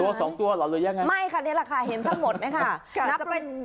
ตัวสองตัวรอเลยยังไงไม่ค่ะนี่แหละค่ะเห็นทั้งหมดนะคะ